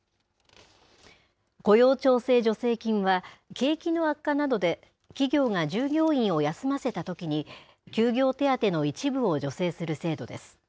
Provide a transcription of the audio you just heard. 雇用調整助成金は、景気の悪化などで、企業が従業員を休ませたときに、休業手当の一部を助成する制度です。